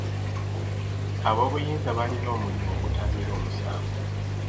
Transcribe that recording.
Ab'obuyinza balina omulimu okutangira omusango.